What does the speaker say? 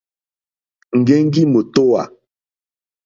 Ŋgεŋgi mòtohwa.